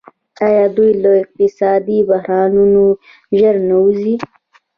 آیا دوی له اقتصادي بحرانونو ژر نه وځي؟